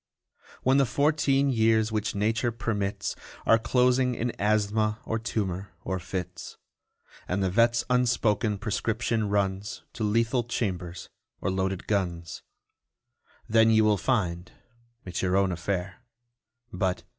When the fourteen years which Nature permits Are closing in asthma, or tumour, or fits, And the vet's unspoken prescription runs To lethal chambers or loaded guns, Then you will find it's your own affair But...